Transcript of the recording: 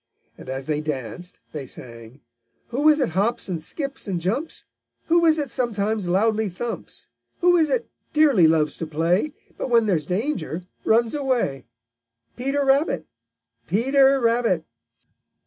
And as they danced they sang: "Who is it hops and skips and jumps? Who is it sometimes loudly thumps? Who is it dearly loves to play, But when there's danger runs away? Peter Rabbit! Peter Rabbit!"